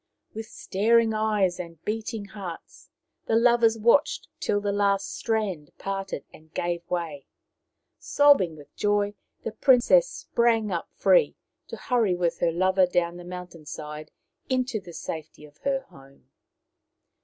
With staring eyes and beating hearts the lovers watched it till the last strand parted and gave way. Sobbing with joy, the princess sprang up free, to hurry with her lover down the mountain side into the safety of her home.